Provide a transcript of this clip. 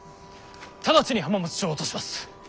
直ちに浜松城を落とします。